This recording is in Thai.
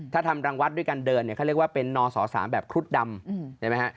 ถ้าทำรังวัดด้วยการเดินเนี่ยเขาเรียกว่าเป็นนศ๓แบบครุฑดำใช่ไหมฮะ